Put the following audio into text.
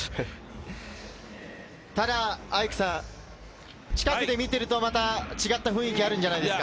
ただ、アイクさん、近くで見ていると違った雰囲気あるんじゃないですか。